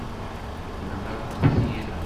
Txeddmem akked Zira.